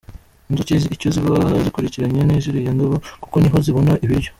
Inzuki icyo ziba zikurikiranye ni ziriya ndabo kuko niho zibona ibiryo.